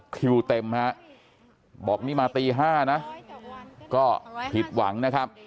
คิวเต็มฮะบอกนี่มาตี๕นะก็ผิดหวังนะครับ